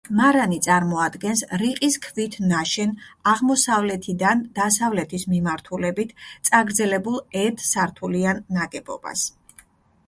მარანი წარმოადგენს რიყის ქვით ნაშენ, აღმოსავლეთიდან დასავლეთის მიმართულებით წაგრძელებულ ერთ სართულიან ნაგებობას.